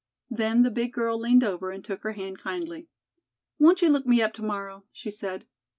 Then the big girl leaned over and took her hand kindly. "Won't you look me up to morrow?" she said.